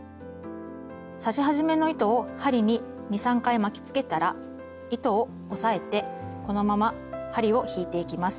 刺し始めの糸を針に２３回巻きつけたら糸を押さえてこのまま針を引いていきます。